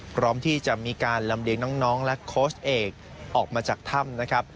พร้อมที่จะมีการลำเด็กน้องและโค้ชเอกออกมาจากถ้ำ